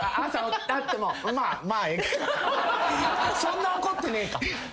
そんな怒ってねえか。